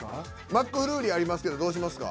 マックフルーリーありますけどどうしますか？